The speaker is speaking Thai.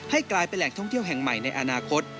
กลายเป็นแหล่งท่องเที่ยวแห่งใหม่ในอนาคต